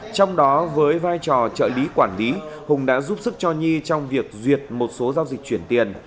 trong đó với vai trò trợ lý quản lý hùng đã giúp sức cho nhi trong việc duyệt một số giao dịch chuyển tiền